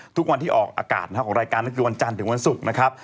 ทุกวันที่ออกอากาศของรายการก็คือวันจันทร์ถึงวันศุกร์นะครับ